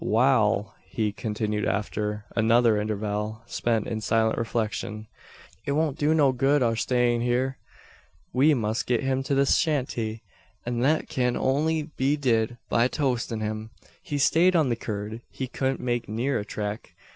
"Wal," he continued after another interval spent in silent reflection, "It won't do no good our stayin' hyur. We must git him to the shanty, an that kin only be did by toatin' him. He sayed on the curd, he cudn't make neer a track.